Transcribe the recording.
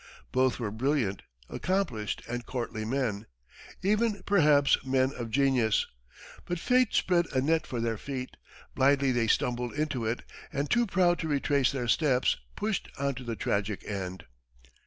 Both were brilliant, accomplished and courtly men even, perhaps, men of genius but Fate spread a net for their feet, blindly they stumbled into it, and, too proud to retrace their steps, pushed on to the tragic end.